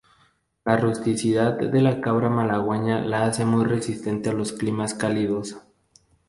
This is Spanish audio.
La rusticidad de la cabra malagueña la hace muy resistente a los climas cálidos.